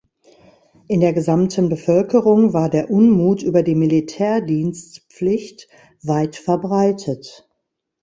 In der gesamten Bevölkerung war der Unmut über die Militärdienstpflicht weit verbreitet.